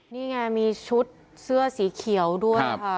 นี่ไงมีชุดเสื้อสีเขียวด้วยค่ะ